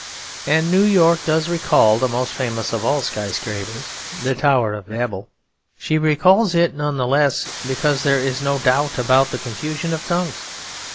And New York does recall the most famous of all sky scrapers the tower of Babel. She recalls it none the less because there is no doubt about the confusion of tongues.